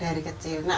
dari kecil ya